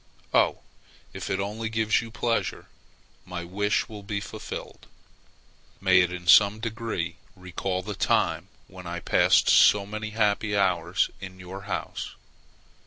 Oh! if it only gives you pleasure, my wishes will be fulfilled. May it in some degree recall the time when I passed so many happy hours in your house!